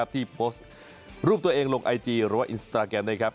ที่โพสต์รูปตัวเองลงไอจีหรือว่าอินสตราแกรมนะครับ